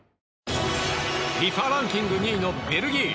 ランキング２位のベルギー。